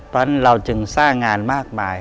เพราะฉะนั้นเราจึงสร้างงานมากมาย